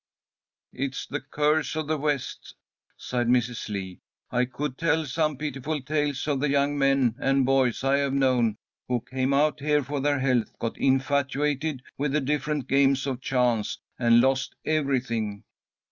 "It's the curse of the West," sighed Mrs. Lee. "I could tell some pitiful tales of the young men and boys I have known, who came out here for their health, got infatuated with the different games of chance, and lost everything.